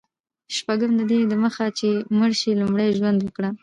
شپږم: ددې دمخه چي مړ سې، لومړی ژوند وکړه.